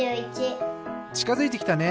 ちかづいてきたね。